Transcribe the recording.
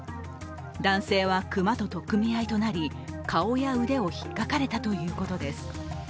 男性は熊と取っ組み合いとなり顔や腕をひっかかれたということです。